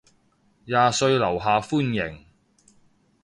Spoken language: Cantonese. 廿歲樓下歡迎